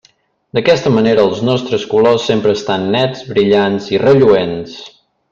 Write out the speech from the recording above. D'aquesta manera els nostres colors sempre estan nets, brillants i relluents.